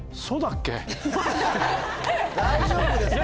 大丈夫ですか？